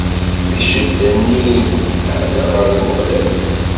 Di ccedda-nni-inu, ɛennaɣ ɣer Umeɣlal.